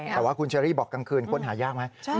แต่ว่าคุณเชอรี่บอกกลางคืนค้นหายากไหม